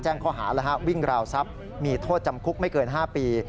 ข้อหาวิ่งราวทรัพย์มีโทษจำคุกไม่เกิน๕ปี